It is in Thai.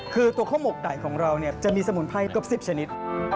คือตัวข้าวหมกไก่ของเราเนี่ยจะมีสมุนไพรเกือบ๑๐ชนิด